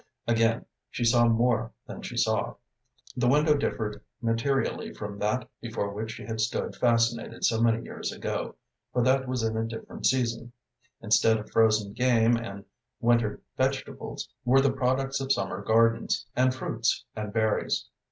Again she saw more than she saw. The window differed materially from that before which she had stood fascinated so many years ago, for that was in a different season. Instead of frozen game and winter vegetables, were the products of summer gardens, and fruits, and berries.